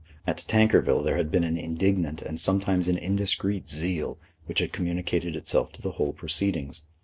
At Tankerville there had been an indignant and sometimes an indiscreet zeal which had communicated itself to the whole proceedings.